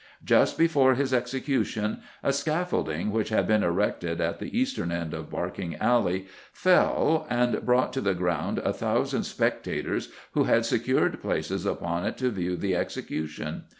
Just before his execution, a scaffolding, which had been erected at the eastern end of Barking Alley, fell and brought to the ground a thousand spectators who had secured places upon it to view the execution.